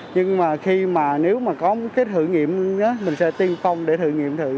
nhưng mà khi mà nếu mà có một cái thử nghiệm mình sẽ tiên phong để thử nghiệm thử